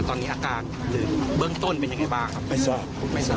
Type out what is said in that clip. ตอนนี้อาการหรือเบื้องต้นเป็นยังไงบ้างครับไม่ทราบไม่ทราบ